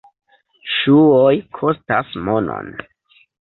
Ŝuoj kostas monon.